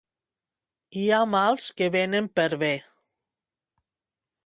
Hi ha mals que venen per bé.